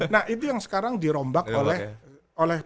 nah itu yang sekarang dirombak oleh